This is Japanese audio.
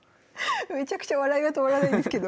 めちゃくちゃ笑いが止まらないんですけど。